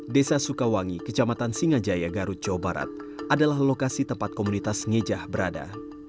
desa sukawangi kecamatan singajaya garut jawa barat adalah lokasi tempat komunitas ngejah berada